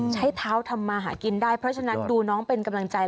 ใช้เท้าทำมาหากินได้เพราะฉะนั้นดูน้องเป็นกำลังใจ